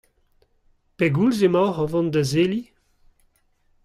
Pegoulz emaoc'h o vont da Zelhi ?